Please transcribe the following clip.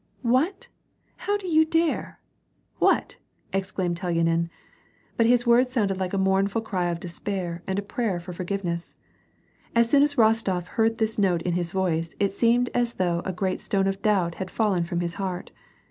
— What? — How do you dare? — What?" ex claimed Telyanin. But his words sounded like a mournful cry of despair and a prayer for forgiveness. As soon as Rostof heard this note in his voice it seemed as, though a great stone of doubt had fallen from his heart.